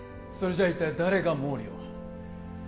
それじゃ一体誰が毛利を？